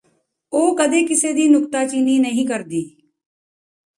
ਉਹ ਕਦੇ ਕਿਸੇ ਦੀ ਨੁਕਤਾਚੀਨੀ ਨਹੀਂ ਕਰਦੀ